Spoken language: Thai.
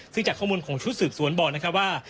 ซึ่งจากข้อมูลของชุดสืบสวนบอกนะครับว่า